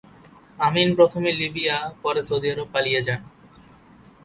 আমিন প্রথমে লিবিয়া পরে সৌদি আরব পালিয়ে যান।